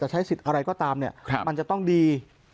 ใช้สิทธิ์อะไรก็ตามเนี่ยมันจะต้องดี